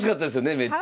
めっちゃ。